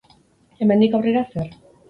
Hemendik aurrera, zer?